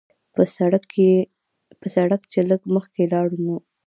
پۀ سړک چې لږ مخکښې لاړو نو